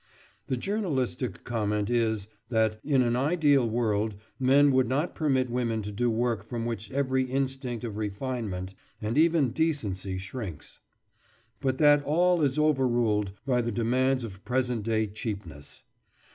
The journalistic comment is, that "in an ideal world men would not permit women to do work from which every instinct of refinement and even decency shrinks," but that all is over ruled by "the demands of present day cheapness."